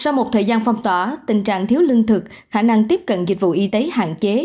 sau một thời gian phong tỏa tình trạng thiếu lương thực khả năng tiếp cận dịch vụ y tế hạn chế